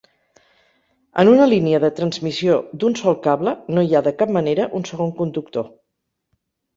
En una línia de transmissió d'un sol cable no hi ha de cap manera, un segon conductor.